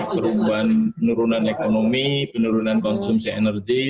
perubahan penurunan ekonomi penurunan konsumsi energi